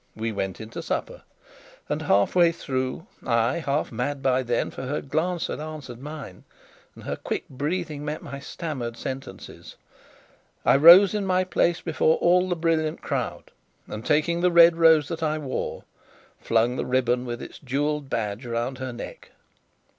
We went in to supper; and, half way through, I, half mad by then, for her glance had answered mine, and her quick breathing met my stammered sentences I rose in my place before all the brilliant crowd, and taking the Red Rose that I wore, flung the ribbon with its jewelled badge round her neck.